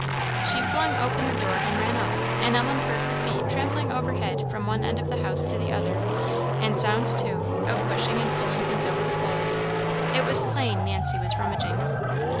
She flung open the door and ran up; and Ellen heard her feet trampling overhead from one end of the house to the other; and sounds, too, of pushing and pulling things over the floor; it was plain Nancy was rummaging.